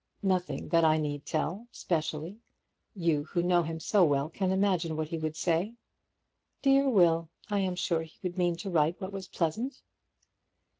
"Nothing that I need tell, specially. You, who know him so well, can imagine what he would say." "Dear Will! I am sure he would mean to write what was pleasant."